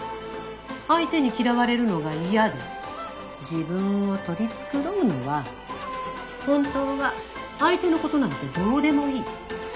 相手に嫌われるのが嫌で自分を取り繕うのは本当は相手のことなんてどうでもいい。